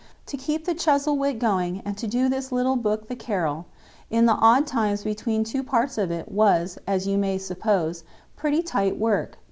To keep the Chuzzlewit going, and to do this little book the Carol, in the odd times between two parts of it, was, as you may suppose, pretty tight work.